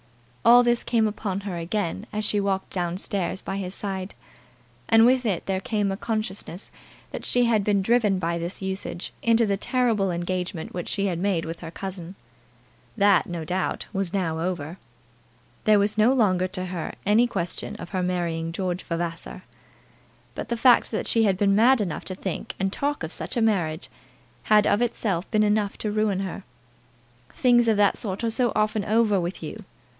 All this came upon her again as she walked down stairs by his side; and with it there came a consciousness that she had been driven by this usage into the terrible engagement which she had made with her cousin. That, no doubt, was now over. There was no longer to her any question of her marrying George Vavasor. But the fact that she had been mad enough to think and talk of such a marriage, had of itself been enough to ruin her. "Things of that sort are so often over with you!"